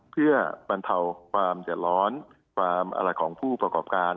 เพื่อปันเทาความเสียร้อนความอาราจของผู้ประกอบการ